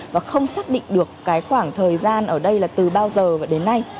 và không xác định được cái khoảng thời gian ở đây là từ bao giờ và đến nay